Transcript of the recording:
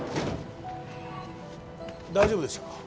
大丈夫でしたか？